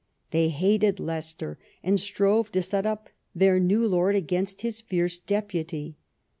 They hated Leicester, and strove to set up their new lord against his fierce deputy.